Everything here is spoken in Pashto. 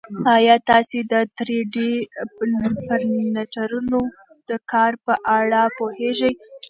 ایا تاسي د تری ډي پرنټرونو د کار په اړه پوهېږئ؟